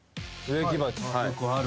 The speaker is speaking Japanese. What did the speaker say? ・よくある。